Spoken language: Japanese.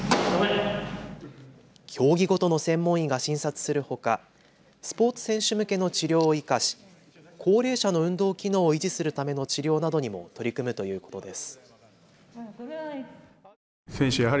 競技ごとの専門医が診察するほか、スポーツ選手向けの治療を生かし高齢者の運動機能を維持するための治療などにも取り組むということです。